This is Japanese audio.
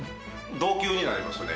同級になりますね。